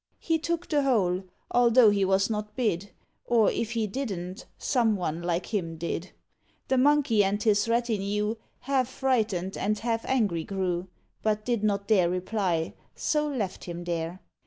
He took the whole, although he was not bid; Or if he didn't, some one like him did. The Monkey and his retinue Half frightened and half angry grew, But did not dare reply; so left him there.